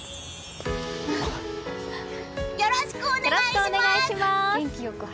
よろしくお願いします！